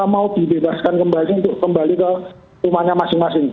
mau dibebaskan kembali ke rumahnya masing masing